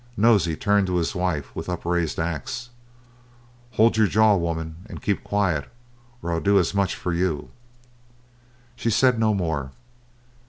Nosey turned to his wife with upraised axe. "Hold your jaw, woman, and keep quiet, or I'll do as much for you." She said no more.